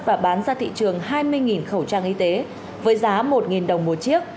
và bán ra thị trường hai mươi khẩu trang y tế với giá một đồng một chiếc